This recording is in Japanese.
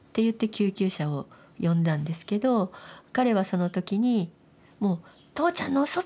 救急車を呼んだんですけど彼はその時にもう「父ちゃんのうそつき！